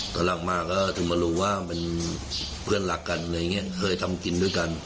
พอหลังมาก็ถึงมารู้ว่าเป็นเพื่อนรักกันอะไรอย่างนี้เคยทำกินด้วยกัน